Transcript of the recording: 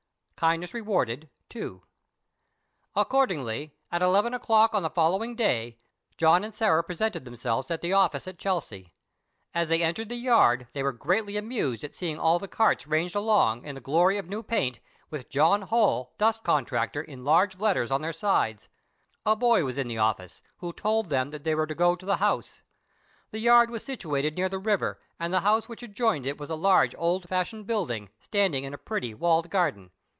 KINDNESS REWARDED.—II. Accordingly, at eleven o'clock on the following day, John and Sarah presented themselves at the office at Chelsea. As they entered the yard they were greatly amused at seeing all the carts ranged along, in the glory of new paint, with "John Holl, Dust Contractor," in large letters on their sides. A boy was in the office, who told them that they were to go to the house. The yard was situated near the river, and the house which adjoined it was a large old fashioned building, standing in a pretty, walled garden.